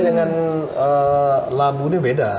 dengan labu ini beda